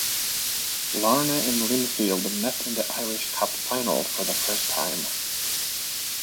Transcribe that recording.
Larne and Linfield met in the Irish Cup final for the first time.